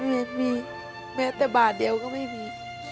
เคยไม่มีไม่มีแม่แต่บาทเดียวก็ไม่มี